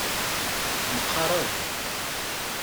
Mqaraben.